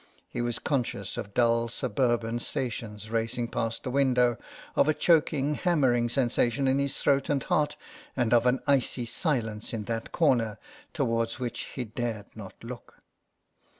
He was conscious of dull surburban stations racing past the window, of a choking, hammering sensation in his throat and heart, and of an icy silence in that corner towards which he dared not look.